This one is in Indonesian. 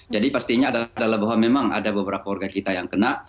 jadi pastinya adalah bahwa memang ada beberapa warga kita yang kena